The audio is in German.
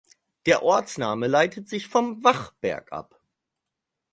Der Ortsname leitet sich vom Wachberg ab.